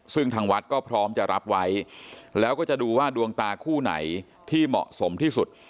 ซึ่งทางวัดก็พร้อมจะรับไว้แล้วก็จะดูว่าดวงตาคู่ไหนที่เหมาะสมที่สุด